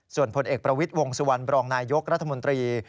ส่วนผลเอกประวิทย์วงสุวรรณบรองนายยกรัฐมนตรี